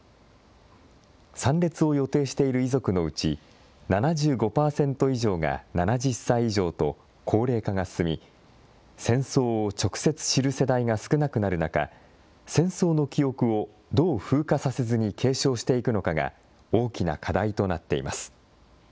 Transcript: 参列を予定している遺族のうち７５％以上が７０歳以上と高齢化が進み戦争を直接知る世代が少なくなる中、戦争の記憶をどう風化させずに継承していくのかが大きな課題となっています。